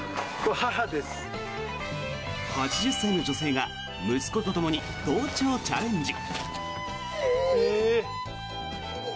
８０歳の女性が息子とともに登頂チャレンジ。